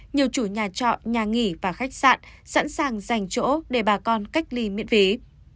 nhiều chủ nhà trọ nhà nghỉ và khách sạn sẵn sàng dành chỗ để bà con cách ly miễn phí